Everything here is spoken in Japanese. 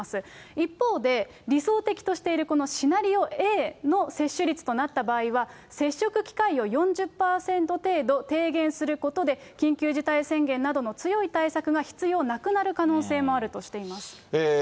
一方で、理想的としているこのシナリオＡの接種率となった場合は、接触機会を４０％程度低減することで、緊急事態宣言などの強い対策が必要なくなる可能性もあるとしています。